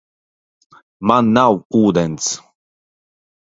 Man nav ūdens.